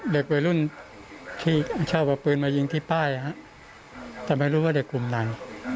เด็กเวยรุ่นที่เช่าประปืนมายิงที่ป้ายอ่ะแต่ไม่รู้ว่าเด็กกลุ่มนั้น